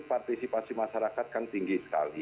partisipasi masyarakat kan tinggi sekali